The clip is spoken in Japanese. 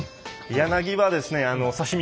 柳刃はですね刺身